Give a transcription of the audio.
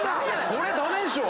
これ駄目でしょ！